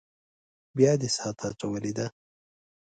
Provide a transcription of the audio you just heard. بيا دې څاه ته اچولې ده.